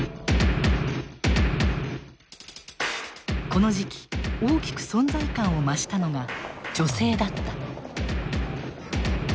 この時期大きく存在感を増したのが女性だった。